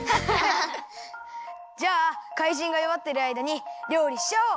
じゃあかいじんがよわってるあいだにりょうりしちゃおう！